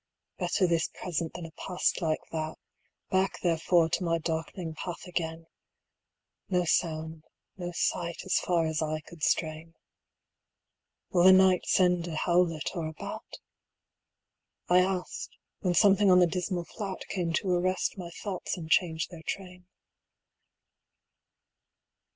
Better this present than a past like that; Back therefore to my darkening path again! No sound, no sight as far as eye could strain. 105 Will the night send a howlet or a bat? I asked; when something on the dismal flat Came to arrest my thoughts and change their train.